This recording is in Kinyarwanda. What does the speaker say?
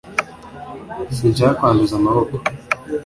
sinshaka kwanduza amaboko